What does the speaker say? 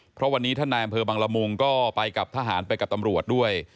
เพราะวันนี้ท่านนายอำเภอบังละมุงก็ไปกับทหารไปกับตำรวจด้วย